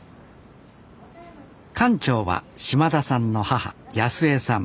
館長は島田さんの母泰枝さん。